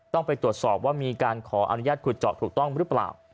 ต้องไปตรวจสอบว่ามีการขออนุญาตขุดเจาะถูกต้องหรือเปล่า